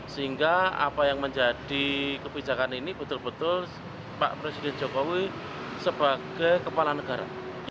sehingga apa yang menjadi kebijakan ini betul betul pak presiden jokowi sebagai kepala negara